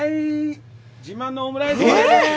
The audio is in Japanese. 自慢のオムライスです。